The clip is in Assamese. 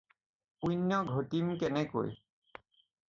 পূণ্য ঘটিম কেনেকৈ?